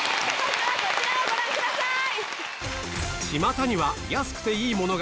こちらをご覧ください。